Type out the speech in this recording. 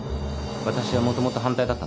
わたしはもともと反対だったんだ。